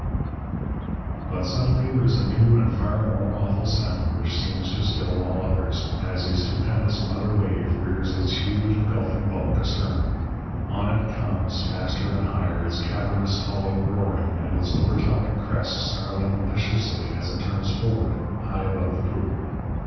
But suddenly there is a new and far more awful sound, which seems to still all others, as a stupendous mother wave rears its huge, engulfing bulk astern. On it comes, faster and higher, its cavernous hollow roaring and its overtopping crest snarling viciously as it turns forward, high above the poop.